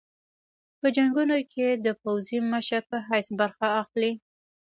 په جنګونو کې د پوځي مشر په حیث برخه اخلي.